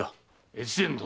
越前殿